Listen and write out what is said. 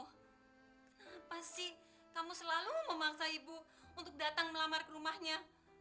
kenapa sih kamu selalu memaksa ibu untuk datang melamar ke rumahnya